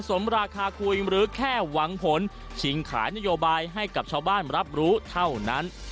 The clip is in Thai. สมราคาคุยหรือแค่หวังผลชิงขายนโยบายให้กับชาวบ้านรับรู้เท่านั้น